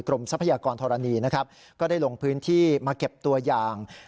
กรมสัพพยากรทรรณีก็ได้ลงพื้นที่มาเก็บตัวอย่าง